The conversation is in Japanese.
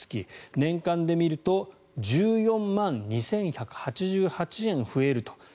年間で見ると１４万２１８８円増えると。